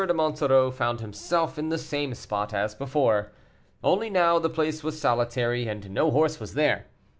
de Monsoreau found himself in the same spot as before. Only now the place was solitary, and no horse was there.